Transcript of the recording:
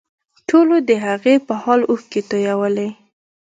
ټولو د هغې په حال اوښکې تویولې